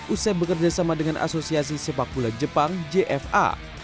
usai bekerjasama dengan asosiasi sepak bola jepang jfa